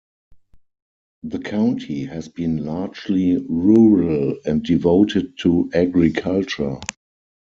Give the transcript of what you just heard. The county has been largely rural and devoted to agriculture.